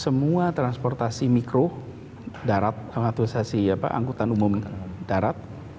semua transportasi mikro darat mengaturisasi angkutan umum darat